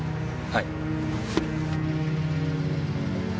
はい。